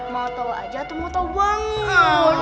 mau tau aja tuh mau tau banget